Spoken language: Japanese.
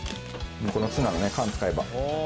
このツナのね缶使えば。